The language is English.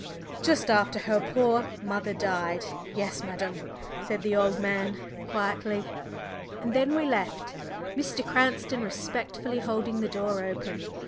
"Just after her poor mother died yes, madam," said the old man quietly. And then we left, Mr. Cranston respectfully holding the door open.